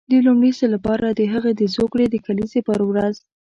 د لومړي ځل لپاره د هغه د زوکړې د کلیزې پر ورځ.